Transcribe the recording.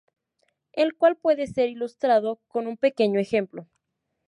El cual puede ser ilustrado con un pequeño ejemplo.